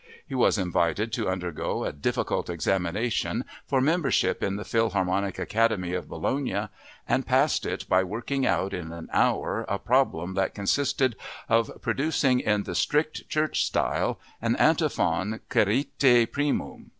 He was invited to undergo a difficult examination for membership in the Philharmonic Academy of Bologna and passed it by working out in an hour a problem that consisted of producing in the "strict" church style an antiphon Quaerite primum.